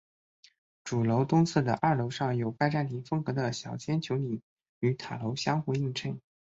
主楼东侧的二楼上有拜占廷风格的小尖穹顶与塔楼相互映衬。